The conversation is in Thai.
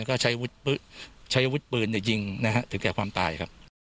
ก็ใช้ใช้อาวุธปืนเนี่ยยิงนะฮะถึงแค่ความตายครับ